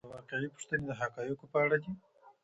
آيا واقعي پوښتنې د حقایقو په اړه دي؟